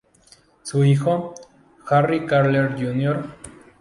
Su hijo, Harry Carey Jr.